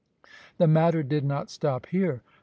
The matter did not stop here.